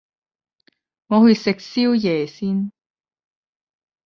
我去食宵夜先